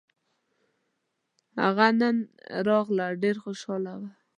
هغه نن راغله ډېره خوشحاله وه